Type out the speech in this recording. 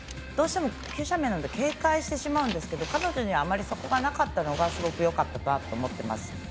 どうしても急斜面なので警戒してしまうんですけど彼女にはあまりそこがなかったのがよかったと思います。